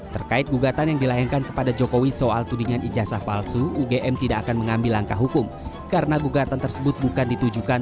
terkait gugatan yang dilayangkan kepada jokowi soal tudingan ijazah palsu ugm tidak akan mengambil langkah hukum karena gugatan tersebut bukan ditujukan